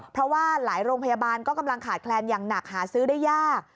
เพราะว่าหลายโรงพยาบาลก็กำลังขาดแคลนอย่างหนักหาซื้อได้ยาก